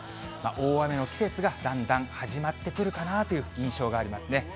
大雨の季節がだんだん始まってくるかなという印象がありますね。